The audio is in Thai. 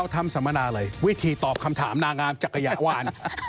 ที่ตอบคำถามน่างามจักรวาล